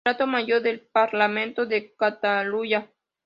Letrado Mayor del Parlamento de Cataluña.